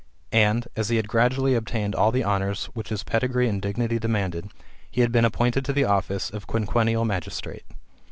And, as he had gradually obtained all the honours which his pedigree and dignity demanded, he had been ap pointed to the office of a quinquennial magistrate.